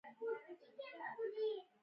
هغه خپل ټول ټوکر په پنځه پنځوس افغانیو پلوري